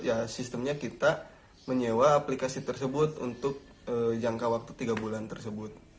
ya sistemnya kita menyewa aplikasi tersebut untuk jangka waktu tiga bulan tersebut